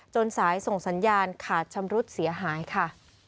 สายส่งสัญญาณขาดชำรุดเสียหายค่ะ